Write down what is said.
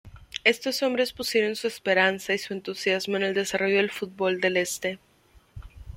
Estos hombres pusieron su esperanza y entusiasmo en el desarrollo del fútbol del este.